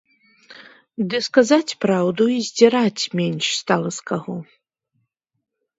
Ды, сказаць праўду, і здзіраць менш стала з каго.